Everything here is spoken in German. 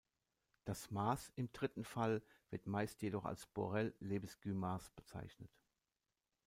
Das Maß im dritten Fall wird meist jedoch als Borel-Lebesgue-Maß bezeichnet.